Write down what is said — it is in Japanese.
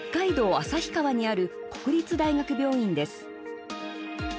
旭川にある国立大学病院です。